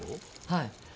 はい。